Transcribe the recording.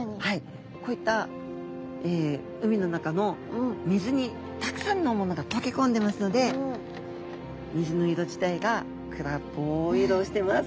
こういった海の中の水にたくさんのものが溶け込んでますので水の色自体が暗っぽい色をしてます。